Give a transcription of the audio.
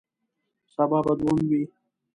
سبا به دویم وی